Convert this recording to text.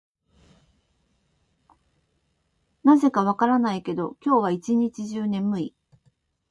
なぜか分からないけど、今日は一日中眠い。